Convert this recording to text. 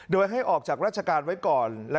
โดยให้ออกจากราชการไว้ก่อน